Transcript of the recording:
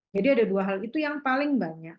jadi ada dua hal itu yang paling banyak